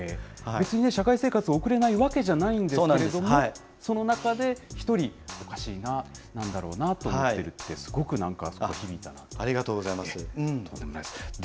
これは共感してもらえないだろう別にね、社会生活を送れないわけじゃないんだけれども、その中で一人、おかしいな、なんだろうなと思っているって、すごくなんか。